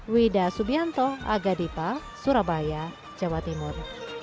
wida subianto aga dipa surabaya jawa timur